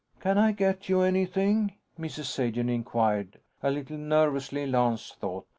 "Can I get you anything?" Mrs. Sagen inquired. A little nervously, Lance thought.